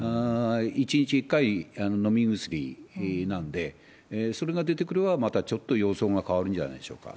１日１回飲み薬なんで、それが出てくれば、またちょっと様相が変わるんじゃないでしょうか。